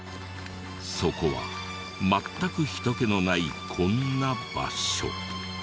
そこは全く人けのないこんな場所。